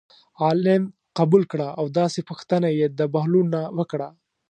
عالم قبول کړه او داسې پوښتنه یې د بهلول نه وکړه.